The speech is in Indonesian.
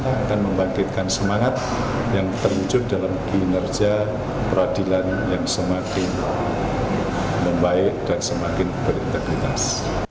kita akan membangkitkan semangat yang terwujud dalam kinerja peradilan yang semakin membaik dan semakin berintegritas